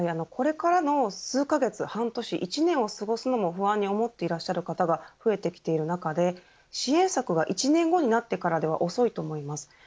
これからの数カ月、半年、１年を過ごすのも不安に思っている方が増えてきている中で支援策が１年後になってからでは遅いと思います。